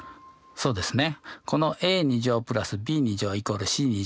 そうですね。